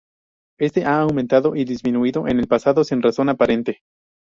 Este ha aumentado y disminuido en el pasado sin razón aparente.